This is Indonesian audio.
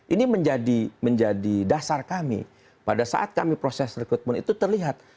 ini menjadi dasar kami pada saat kami proses rekrutmen itu terlihat